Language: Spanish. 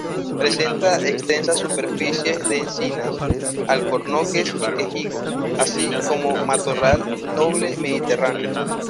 Presenta extensas superficies de encinas, alcornoques y quejigos, así como, matorral noble mediterráneo.